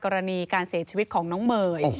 กรณีการเสียชีวิตของน้องเมย์